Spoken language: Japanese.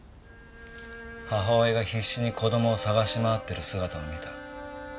母親が必死に子供を捜し回ってる姿を見た。